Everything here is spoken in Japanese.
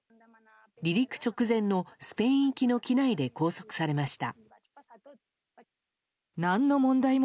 離陸直前のスペイン行きの機内で拘束されました。